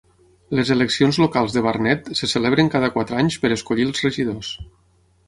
Les eleccions locals de Barnet se celebren cada quatre anys per escollir els regidors.